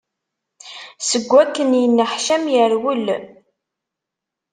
Seg wakken yeneḥcam, yerwel.